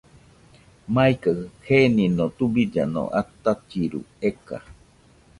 Maikajɨ genino tubillano atachiru eka.